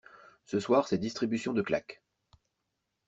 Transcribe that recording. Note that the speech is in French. Ce soir c'est distribution de claques.